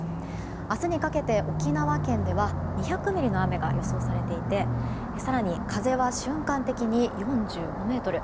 明日にかけて沖縄県では２００ミリの雨が予想されていて更に風は瞬間的に４５メートル。